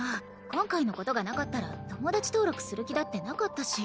今回のことがなかったら友達登録する気だってなかったし。